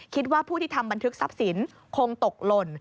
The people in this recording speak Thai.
คิดว่าผู้ที่ทำบันทึกทรัพย์สินคงตกหล่น